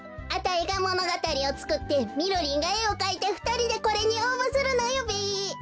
あたいがものがたりをつくってみろりんがえをかいてふたりでこれにおうぼするのよべ。